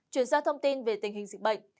chuyển sang thông tin về tình hình dịch bệnh